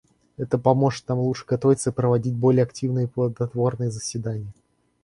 Это поможет нам лучше готовиться и проводить более активные и плодотворные заседания.